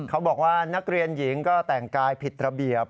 เขาบอกว่านักเรียนหญิงก็แต่งกายผิดระเบียบ